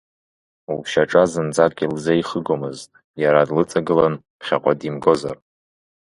Лшьаҿа зынӡак илзеихыгомызт, иара длыҵагылан ԥхьаҟа димгозар.